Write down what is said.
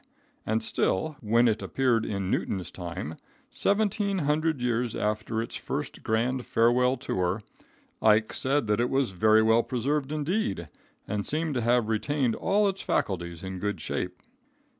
and still, when it appeared in Newton's time, seventeen hundred years after its first grand farewell tour, Ike said that it was very well preserved, indeed, and seemed to have retained all its faculties in good shape.